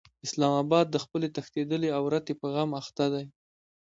اسلام اباد د خپلې تښتېدلې عورتې په غم اخته دی.